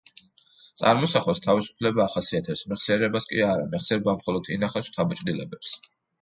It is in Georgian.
წარმოსახვას თავისუფლება ახასიათებს, მეხსიერებას კი არა, მეხსიერება მხოლოდ ინახავს შთაბეჭდილებებს.